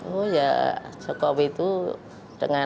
oh ya jokowi itu dengan